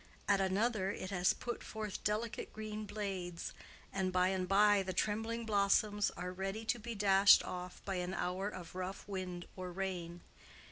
at another, it has put forth delicate green blades, and by and by the trembling blossoms are ready to be dashed off by an hour of rough wind or rain.